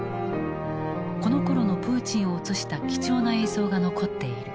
このころのプーチンを映した貴重な映像が残っている。